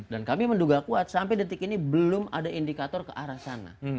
dan kami menduga kuat sampai detik ini belum ada indikator ke arah sana